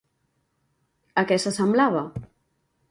A què se semblava?